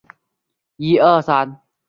鱼显子